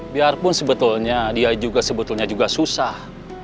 biarpun sebetulnya dia juga sebetulnya juga susah